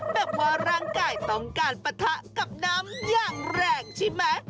แบบว่าร่างกายต้องการปะทะกับน้ำอย่างแรงใช่ไหม